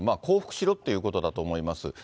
降伏しろっていうことだと思います。